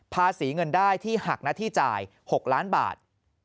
ภาษีเงินได้ที่หักหน้าที่จ่าย๖ล้านบาท